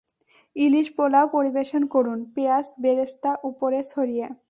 ইলিশ পোলাও পরিবেশন করুন পেঁয়াজ বেরেস্তা উপরে ছড়িয়ে।